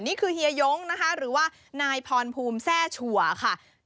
นี่คือเฮียโย้งหรือว่านายพรภูมิแทร่ชัวร์ค่ะ